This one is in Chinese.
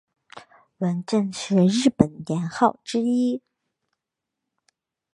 文正是日本年号之一。